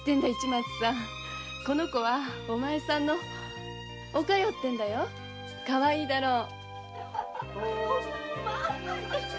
この子はお前さんの「おかよ」ってんだよかわいいだろう。